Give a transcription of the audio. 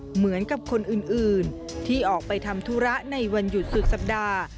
เหมือนกับคนอื่นที่ออกไปทำธุระในวันหยุดสุดสัปดาห์